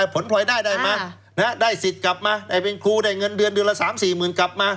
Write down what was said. ผลพลอยได้ได้มาได้สิทธิ์กลับมาได้เป็นครูได้เงินเดือนเดือนละ๓๔หมื่นกลับมา